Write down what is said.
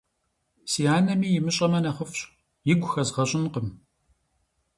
Си анэми имыщӀэмэ нэхъыфӀщ, игу хэзгъэщӀынкъым.